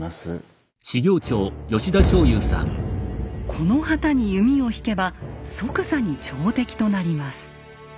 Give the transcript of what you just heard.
この旗に弓を引けば即座に朝敵となります。